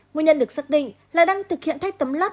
nguyên nhân được xác định là đang thực hiện thách tấm lót